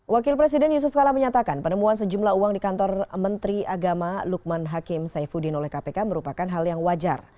wakil presiden yusuf kala menyatakan penemuan sejumlah uang di kantor menteri agama lukman hakim saifuddin oleh kpk merupakan hal yang wajar